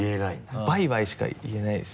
バイバイしか言えないですね。